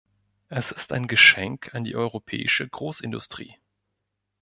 Es ist ein Geschenk an die europäische Großindustrie.